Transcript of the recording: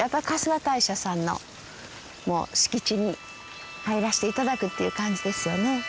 春日大社さんの敷地に入らせて頂くっていう感じですよね。